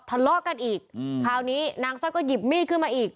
ทะเลาะกันอีกคราวนี้นางสร้อยก็หยิบมีดขึ้นมาอีก